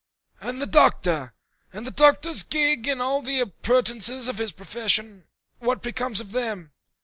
"And the Doctor? And the Doctor's gig and all the appurtenances of his profession what becomes of them?"